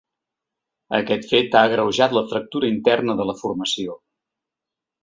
Aquest fet ha agreujat la fractura interna de la formació.